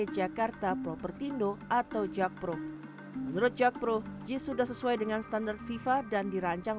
jakarta propertindo atau jakpro menurut jakpro jis sudah sesuai dengan standar fifa dan dirancang